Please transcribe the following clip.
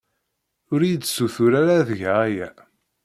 Ur iyi-d-ssutur ara ad geɣ aya.